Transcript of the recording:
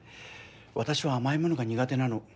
私は甘いものが苦手なの。